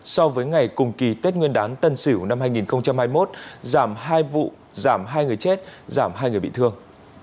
so với ngày cùng kỳ tết nguyên đán tân sỉu năm hai nghìn hai mươi một giảm hai vụ giảm hai người chết giảm hai người bị thương